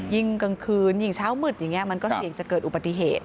กลางคืนยิ่งเช้ามืดอย่างนี้มันก็เสี่ยงจะเกิดอุบัติเหตุ